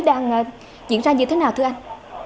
đang diễn ra như thế nào thưa anh